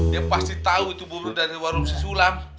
dia pasti tau itu bubur dari warung si sulam